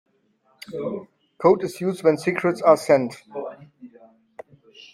Code is used when secrets are sent.